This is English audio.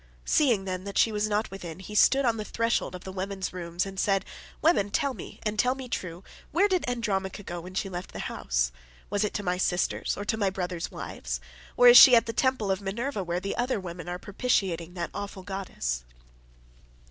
Seeing, then, that she was not within, he stood on the threshold of the women's rooms and said, "Women, tell me, and tell me true, where did Andromache go when she left the house? Was it to my sisters, or to my brothers' wives? or is she at the temple of Minerva where the other women are propitiating the awful goddess?"